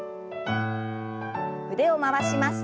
腕を回します。